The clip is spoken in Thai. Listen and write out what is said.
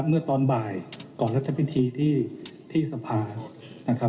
เมื่อตอนบ่ายก่อนลฯพีที่ที่สภา